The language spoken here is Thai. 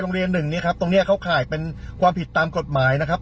หนึ่งเนี่ยครับตรงนี้เขาข่ายเป็นความผิดตามกฎหมายนะครับ